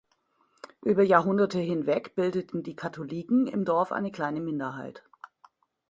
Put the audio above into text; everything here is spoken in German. Über Jahrhunderte hinweg bildeten die Katholiken im Dorf eine kleine Minderheit.